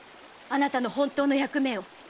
あなたの本当の役目を。